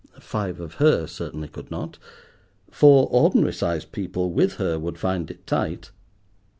Five of her certainly could not. Four ordinary sized people with her would find it tight.